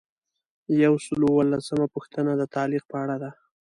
یو سل او اووه لسمه پوښتنه د تعلیق په اړه ده.